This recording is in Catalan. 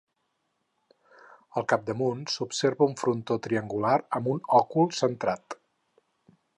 Al capdamunt s'observa un frontó triangular amb un òcul centrat.